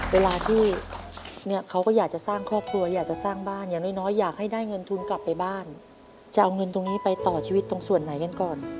เวลาที่เนี่ยเขาก็อยากจะสร้างครอบครัวอยากจะสร้างบ้านอย่างน้อยอยากให้ได้เงินทุนกลับไปบ้านจะเอาเงินตรงนี้ไปต่อชีวิตตรงส่วนไหนกันก่อน